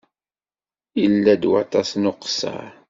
Yella-d waṭas n uqeṣṣer.